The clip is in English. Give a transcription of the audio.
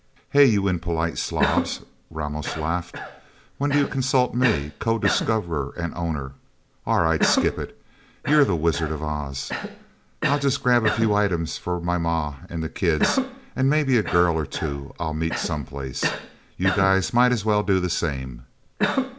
"Hey, you impolite slobs!" Ramos laughed. "When do you consult me, co discoverer and owner? Awright, skip it you're the Wizards of Oz. I'll just grab out a few items for my Ma and the kids, and maybe a girl or two I'll meet someplace. You guys might as well do the same."